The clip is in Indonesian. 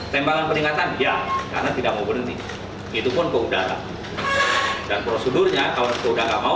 tembangan peningkatan ya karena tidak mau berhenti